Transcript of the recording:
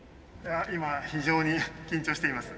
今非常に緊張しています。